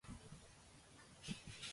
ამჟამად იტალიურ „მილანში“ გამოდის.